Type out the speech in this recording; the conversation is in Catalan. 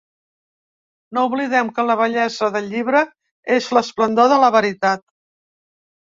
No oblidem que la bellesa del llibre és l’esplendor de la veritat.